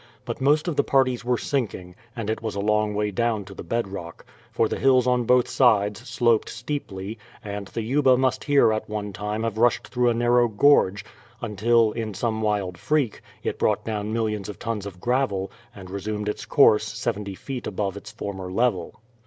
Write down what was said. But most of the parties were sinking, and it was a long way down to the bedrock; for the hills on both sides sloped steeply, and the Yuba must here at one time have rushed through a narrow gorge, until, in some wild freak, it brought down millions of tons of gravel, and resumed its course seventy feet above its former level.